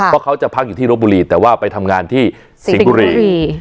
เพราะเขาจะพักอยู่ที่รบบุรีแต่ว่าไปทำงานที่สิงห์บุรี